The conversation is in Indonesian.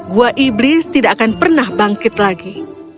gua iblis tidak akan pernah bangkit lagi